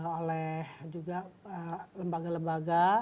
oleh juga lembaga lembaga